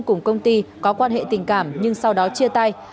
cùng công ty có quan hệ tình cảm nhưng sau đó chia tay